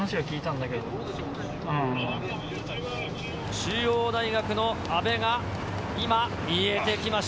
中央大学の阿部が今、見えてきました。